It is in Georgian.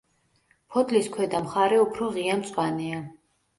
ფოთლის ქვედა მხარე უფრო ღია მწვანეა.